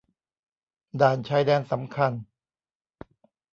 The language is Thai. ด่านชายแดนสำคัญ